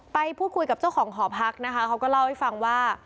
ไปพูดคุยกับเจ้าของหอพักนะคะเขาก็เล่าให้ฟังว่า